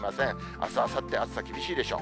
あす、あさって、暑さ厳しいでしょう。